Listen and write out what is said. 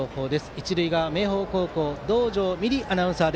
一塁側、明豊高校道上美璃アナウンサー